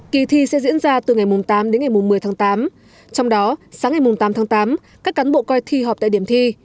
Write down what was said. kỳ thi sẽ diễn ra từ ngày tám đến ngày một mươi tháng tám trong đó sáng ngày tám tháng tám các cán bộ coi thi họp tại điểm thi